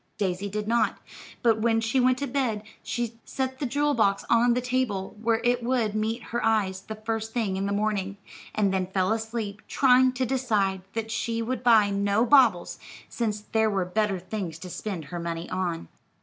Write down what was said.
Daisy did not, but when she went to bed, set the jewel box on the table where it would meet her eyes the first thing in the morning, and then fell asleep trying to decide that she would buy no baubles, since there were better things to spend her money on.